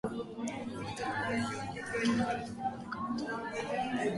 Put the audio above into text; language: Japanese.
僕は置いてかれないように歩きながら、どこまでかなと言う